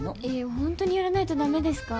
本当にやらないとダメですか？